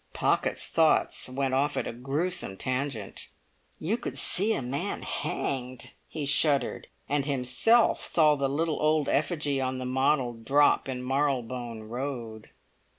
Pocket's thoughts went off at a gruesome tangent. "You could see a man hanged!" he shuddered, and himself saw the little old effigy on the model drop in Marylebone Road.